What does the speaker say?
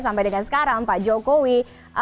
sampai dengan sekarang pak jokowi